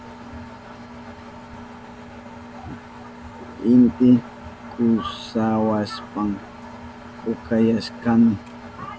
Inti kusawashpan pukayashkani.